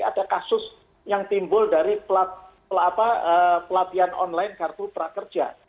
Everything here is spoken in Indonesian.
ada kasus yang timbul dari pelatihan online kartu prakerja